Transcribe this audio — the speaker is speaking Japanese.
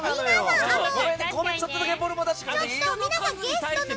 ごめん、ちょっとだけボール持たせてね。